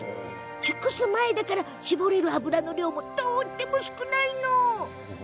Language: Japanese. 熟す前だから搾れる油の量もとっても少ないの。